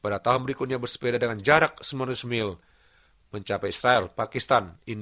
dan sehat secara fisik